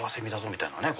みたいな。